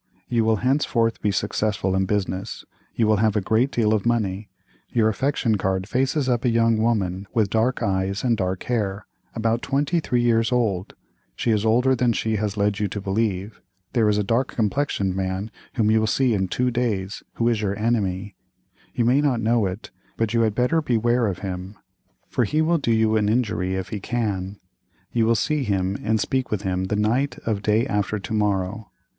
You will henceforth be successful in business, you will have a great deal of money. Your affection card faces up a young woman with dark eyes and dark hair, about twenty three years old; she is older than she has led you to believe; there is a dark complexioned man whom you will see in two days, who is your enemy; you may not know it, but you had better beware of him, for he will do you an injury, if he can; you will see him and speak with him the night of day after to morrow.